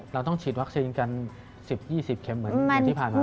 เราต้องฉีดวัคซีนกัน๑๐๒๐เข็มเหมือนที่ผ่านมา